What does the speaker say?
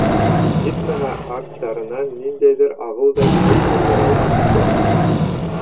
Етмәһә, аргтарынан ниндәйҙер ағыу ҙа һибеп ҡалдыралар икән.